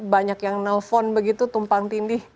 banyak yang nelpon begitu tumpang tindih